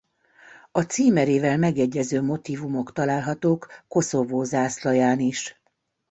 A címerével megegyező motívumok találhatók Koszovó zászlaján is.